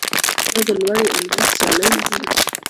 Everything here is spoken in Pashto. دا د لوړې علمي سیالۍ نښه ده.